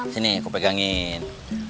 sini aku pegangin